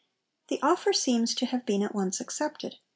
The offer seems to have been at once accepted.